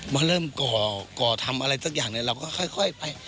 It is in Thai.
มาเริ่มก่อทำอะไรสักอย่างเนี่ยเราก็ค่อยไป